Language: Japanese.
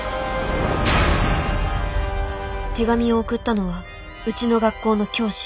手紙を送ったのはうちの学校の教師。